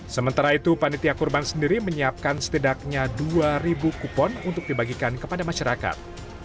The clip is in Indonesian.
sementara itu panitia kurban sendiri menyiapkan setidaknya dua kupon untuk dibagikan kepada masyarakat